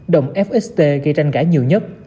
đồng fxt gây tranh gãi nhiều nhất